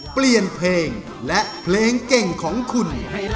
เปลี่ยนเพลงและเพลงเก่งของคุณ